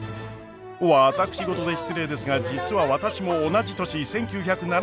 私事で失礼ですが実は私も同じ年１９７２年に東京へ。